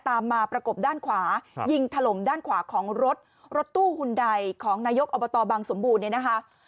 ตามมาประกบด้านขวายิงถล่มด้านขวาของรถรถตู้หุ่นใดของนายกอบตบังสมบูรณ์เนี่ยนะคะ